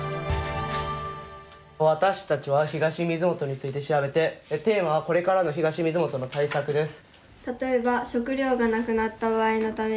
私たちは東水元について調べてテーマは「これからの東水元の対策」です。